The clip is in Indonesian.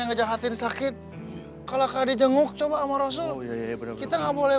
ngejahatin sakit kalau kali jenguk coba sama rasul kita nggak boleh